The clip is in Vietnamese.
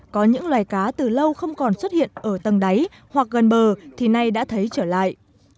có những loài cá từ lâu không còn xuất hiện ở tầng đáy hoặc gần bờ thì nay đã thấy trở lại